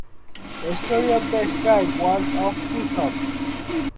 The story of the strip was of two shops.